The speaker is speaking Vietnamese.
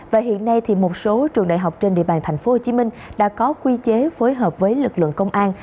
và hiện nay thì một số trường đại học trên địa bàn tp hcm đã có quy chế phối hợp với lực lượng công an